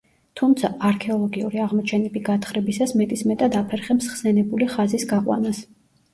თუმცა, არქეოლოგიური აღმოჩენები გათხრებისას მეტისმეტად აფერხებს ხსენებული ხაზის გაყვანას.